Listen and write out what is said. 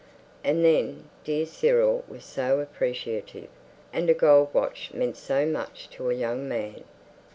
And then dear Cyril was so appreciative, and a gold watch meant so much to a young man.